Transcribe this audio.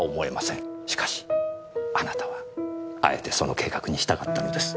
しかしあなたはあえてその計画に従ったのです。